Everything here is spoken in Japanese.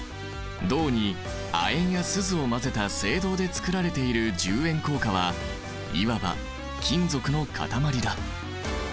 銅に亜鉛やスズを混ぜた青銅でつくられている１０円硬貨はいわば金属の塊だ。